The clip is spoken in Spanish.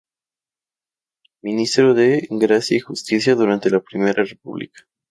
Ministro de Gracia y Justicia durante la Primera República.